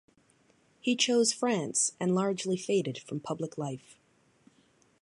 He chose France and largely faded from public life.